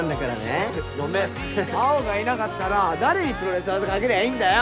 青がいなかったら誰にプロレス技かけりゃいいんだよ？